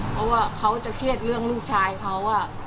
เพราะว่าเขาจะเครียดเรื่องลูกชายเขา